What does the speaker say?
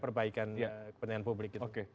perbaikan kepentingan publik